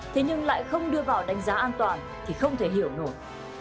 thế nhưng lại không đưa vào đánh giá an toàn thì không thể hiểu nổi